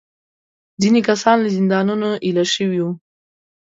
ځینې کسان له زندانونو ایله شوي وو.